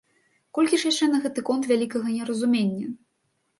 Колькі ж яшчэ на гэты конт вялікага неразумення!